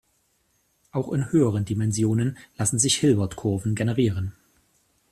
Auch in höheren Dimensionen lassen sich Hilbert-Kurven generieren.